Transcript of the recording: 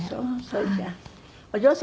それじゃあ。